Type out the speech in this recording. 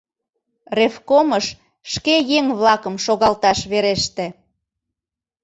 Ревкомыш шке еҥ-влакым шогалташ вереште.